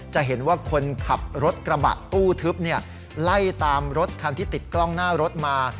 จะเห็นว่าคนขับรถกระบะตู้ทึบไล่ตามรถคันที่ติดกล้องหน้ารถมา